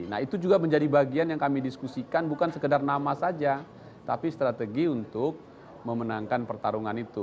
nah itu juga menjadi bagian yang kami diskusikan bukan sekedar nama saja tapi strategi untuk memenangkan pertarungan itu